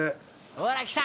「ほらきた！